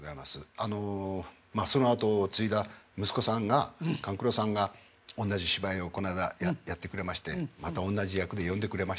あのまあその跡を継いだ息子さんが勘九郎さんがおんなじ芝居をこの間やってくれましてまたおんなじ役で呼んでくれましてね。